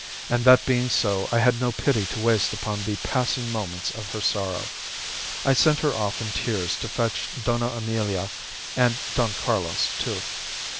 And that being so, I had no pity to waste upon the passing moments of her sorrow. I sent her off in tears to fetch Dona Emilia and Don Carlos, too.